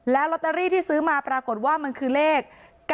ลอตเตอรี่ที่ซื้อมาปรากฏว่ามันคือเลข๙๙